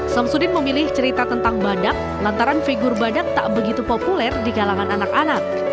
samsudin memilih cerita tentang badak lantaran figur badak tak begitu populer di kalangan anak anak